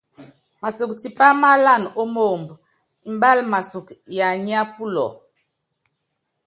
Masɔk tipá máálan ó moomb, mbál masɔ́k yanyá pulɔ.